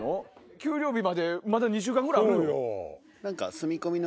給料日までまだ２週間ぐらいあるよ。